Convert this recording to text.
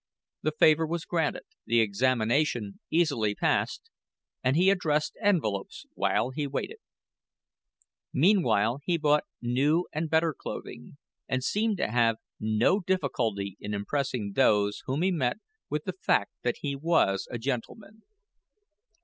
The favor was granted, the examination easily passed, and he addressed envelopes while he waited. Meanwhile he bought new and better clothing and seemed to have no difficulty in impressing those whom he met with the fact that he was a gentleman.